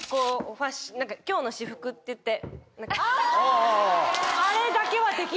今日の私服っていって。